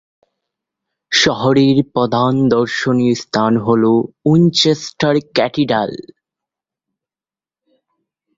শহরের প্রধান দর্শনীয় স্থান হল উইনচেস্টার ক্যাথিড্রাল।